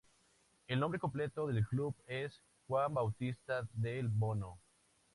El nombre completo del club es Juan Bautista Del Bono.